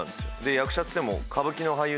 役者っつっても。